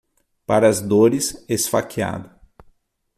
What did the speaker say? Para as dores, esfaqueado.